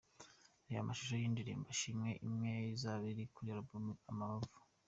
Reba amashusho y’indirimbo Ashimwe, imwe mu zizaba ziri kuri Album Umubavu :.